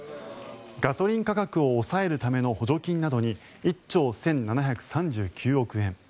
ガソリン価格を抑えるための補助金などに１兆１７３９億円